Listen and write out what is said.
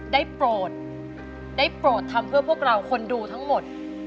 โปรดได้โปรดทำเพื่อพวกเราคนดูทั้งหมด